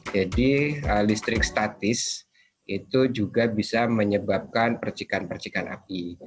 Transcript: jadi listrik statis itu juga bisa menyebabkan percikan percikan api